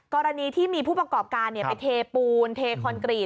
กรณีที่มีผู้ประกอบการไปเทปูนเทคอนกรีต